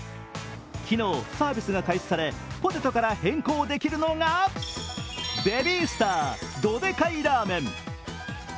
昨日、サービスが開始されポテトから変更できるのがベビースタードデカイラーメン。